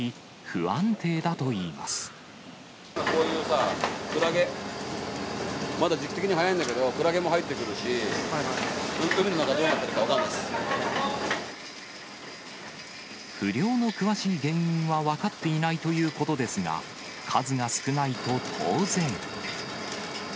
不漁の詳しい原因は分かっていないということですが、数が少ないと当然。